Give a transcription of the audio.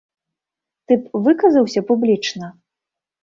Ты б выказаўся публічна?